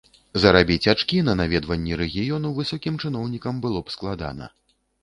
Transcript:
Зарабіць ачкі на наведванні рэгіёну высокім чыноўнікам было б складана.